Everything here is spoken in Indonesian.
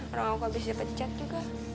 orang aku habis dipecat juga